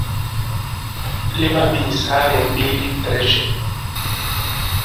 Lima beans have a mealy texture